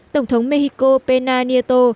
tổng thống mexico pena nieto